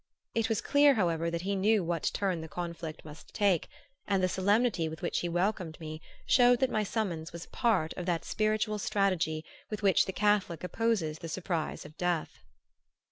It was clear, however, that he knew what turn the conflict must take, and the solemnity with which he welcomed me showed that my summons was a part of that spiritual strategy with which the Catholic opposes the surprise of death.